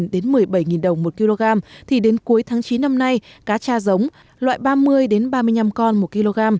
từ mức một mươi năm một mươi bảy đồng một kg thì đến cuối tháng chín năm nay cá tra giống loại ba mươi ba mươi năm con một kg